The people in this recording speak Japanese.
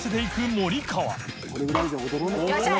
森川）